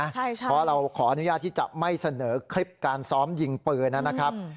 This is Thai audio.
เพราะเราขออนุญาตที่จะไม่เสนอคลิปการซ้อมยิงปืนนะครับ